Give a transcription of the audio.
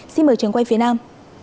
xin mời trường quay phía nam